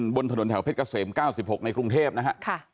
บนถนนแถวเพชรเกษม๙๖ในกรุงเทพนะฮะ